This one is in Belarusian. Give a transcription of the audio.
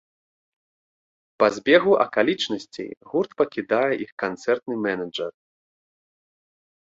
Па збегу акалічнасцей гурт пакідае іх канцэртны менеджар.